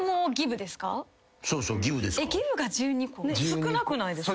少なくないですか？